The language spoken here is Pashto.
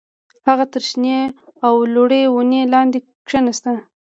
هغه تر شنې او لوړې ونې لاندې کېنه